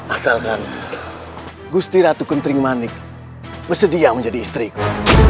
asalkan gusti ratu kuntring manik bersedia menjadi istriku